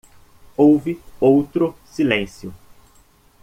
Houve outro silêncio.